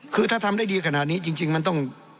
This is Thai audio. คือถ้าทำได้ดีขนาดนี้จริงมันต้อง